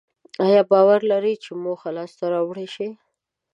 ایا باور لرئ چې موخه لاسته راوړلای شئ؟